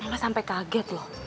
mama sampai kaget loh